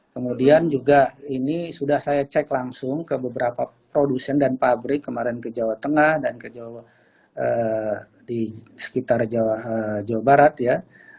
kemudian juga ini sudah saya cek langsung ke beberapa produsen dan pabrik kemarin ke jawa tengah dan ke sekitar jawa barat ya